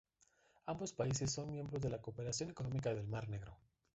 Ambos países son miembros de la Cooperación Económica del Mar Negro.